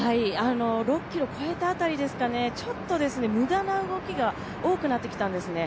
６ｋｍ超えた辺りですかね、ちょっと無駄な動きが多くなってきたんですね